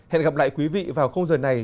hẹn gặp lại quý vị vào không giờ này